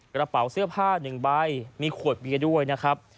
กระเป๋าเสื้อผ้า๑ใบมีขวดเบียร์ด้วยนะครับ